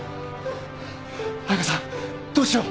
彩佳さんどうしよう？